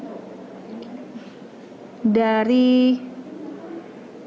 bisa terlihat barada richard eliza